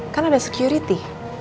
kan ada security